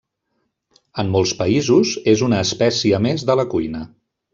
En molts països, és una espècia més de la cuina.